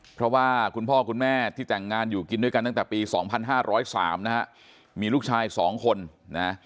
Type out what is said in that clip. เพราะว่าคุณพ่อคุณแม่ที่แต่งงานอยู่กินด้วยกันตั้งแต่ปีสองพันห้าร้อยสามนะฮะมีลูกชายสองคนนะ